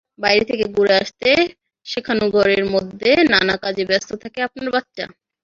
বাইরে থেকে ঘুরে আসতে শেখানোঘরের মধ্যে নানা কাজে ব্যস্ত থাকে আপনার বাচ্চা।